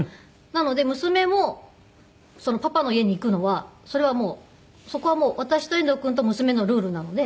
なので娘もパパの家に行くのはそれはもうそこはもう私と遠藤君と娘のルールなので。